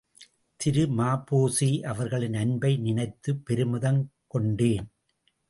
திரு ம.பொ.சி.அவர்களின் அன்பை நினைத்துப் பெருமிதம் கொண்டேன்.